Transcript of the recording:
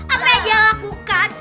apa yang dia lakukan